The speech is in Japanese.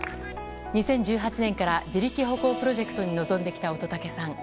２０１８年から自力歩行プロジェクトに臨んできた乙武さん。